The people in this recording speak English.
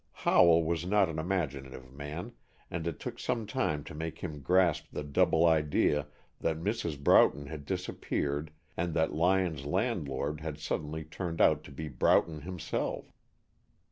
Howell was not an imaginative man, and it took some time to make him grasp the double idea that Mrs. Broughton had disappeared and that Lyon's landlord had suddenly turned out to be Broughton himself.